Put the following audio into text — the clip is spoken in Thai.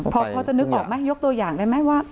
พอจะนึกออกไหมยกตัวอย่างได้ไหมว่า